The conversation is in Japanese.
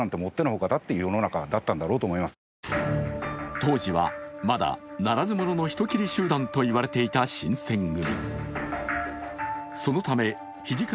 当時はまだ、ならず者の人斬り集団と言われていた新選組。